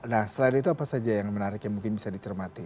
nah selain itu apa saja yang menarik yang mungkin bisa dicermati